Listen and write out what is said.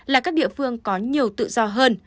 là các địa phương có nhiều tự do hơn